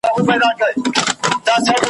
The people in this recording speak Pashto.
تل به تهمتونه د زندان زولنې نه ویني ,